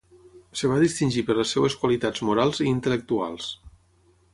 Es va distingir per les seves qualitats morals i intel·lectuals.